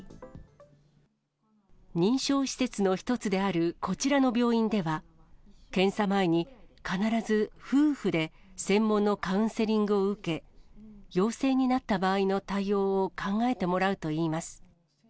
認証施設の一つであるこちらの病院では、検査前に、必ず夫婦で専門のカウンセリングを受け、陽性になった場合の対応を考えてもらうといいます。